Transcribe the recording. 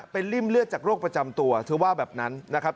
เป็นริ่มเลือดจากโรคประจำตัวเธอว่าแบบนั้นนะครับ